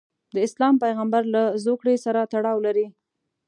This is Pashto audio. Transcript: د اسلام پیغمبرله زوکړې سره تړاو لري.